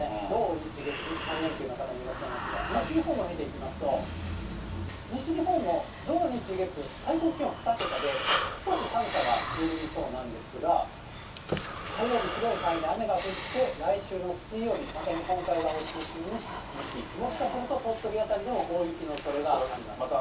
土日月で３連休の方もいらっしゃいますが、西日本も見ていきますと、西日本も土、日、月、最高気温２桁で、少し寒さが緩みそうなんですが、火曜日、広い範囲で雨が降って、来週の水曜日、また日本海側を中心に、雪、もしかすると鳥取辺りでも大雪のおそれがあります。